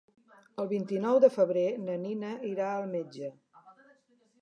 El vint-i-nou de febrer na Nina irà al metge.